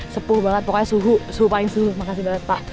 sepuh banget pokoknya suhu serupain suhu makasih banget pak